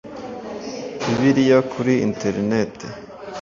Bibiliya kuri interineti